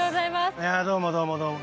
いやどうもどうもどうも。